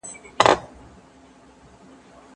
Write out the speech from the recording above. د منځنۍ پېړۍ خلګو به خپل ژوند د مذهب په رڼا کي تېراوه.